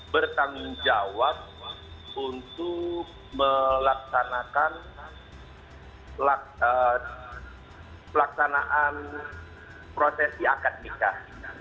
bertanggung jawab untuk melaksanakan prosesi akademikah